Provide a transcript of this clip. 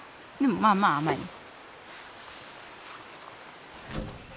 でもまあまあ甘い。